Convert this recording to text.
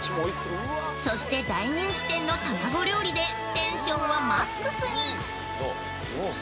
◆そして大人気店の卵料理でテンションはマックスに！